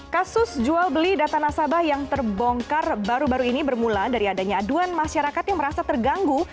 kasus jual beli data nasabah yang terbongkar baru baru ini bermula dari adanya aduan masyarakat yang merasa terganggu